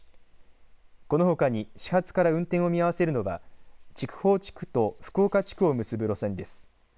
このほかに始発から運転を見合わせるのは筑豊地区と福岡地区を結ぶ路線です。